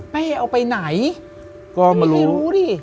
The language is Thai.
เป๊ย์เอาไปไหนจะมีใครรู้ดิ